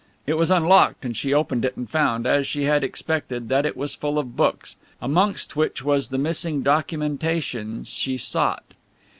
It was unlocked and she opened it and found, as she had expected, that it was full of books, amongst which was the missing documentation she sought.